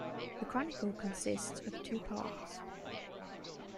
The chronicle consists of two parts.